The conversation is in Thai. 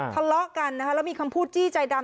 ทะเลาะกันนะคะแล้วมีคำพูดจี้ใจดำ